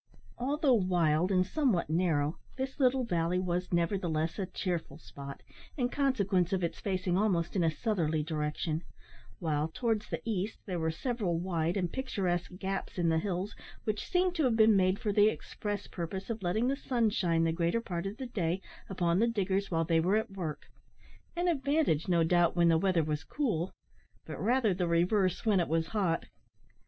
Although wild and somewhat narrow, this little valley was, nevertheless, a cheerful spot, in consequence of its facing almost in a southerly direction: while, towards the east, there were several wide and picturesque gaps in the hills which seemed to have been made for the express purpose of letting the sun shine the greater part of the day upon the diggers while they were at work an advantage, no doubt, when the weather was cool, but rather the reverse when it was hot.